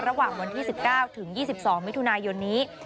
ระหว่างวันที่สิบเก้าถึงยี่สิบสองมิถุนายนี้